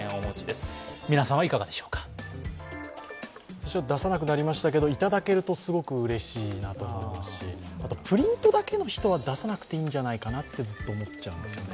私は出さなくなりましたけど、いただけるとすごくうれしいなと思いますし、プリントだけの人は出さなくてもいいんじゃないかなと思っちゃうんですよね。